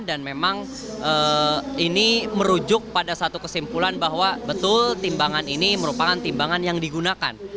dan memang ini merujuk pada satu kesimpulan bahwa betul timbangan ini merupakan timbangan yang digunakan